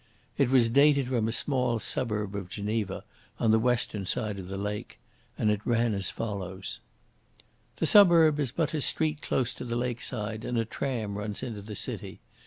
It was dated from a small suburb of Geneva, on the western side of the lake, and it ran as follows: "The suburb is but a street close to the lake side, and a tram runs into the city.